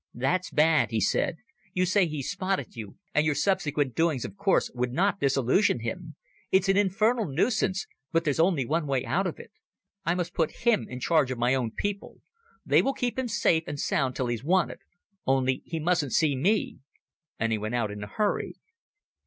"That's bad," he said. "You say he spotted you, and your subsequent doings of course would not disillusion him. It's an infernal nuisance, but there's only one way out of it. I must put him in charge of my own people. They will keep him safe and sound till he's wanted. Only he mustn't see me." And he went out in a hurry.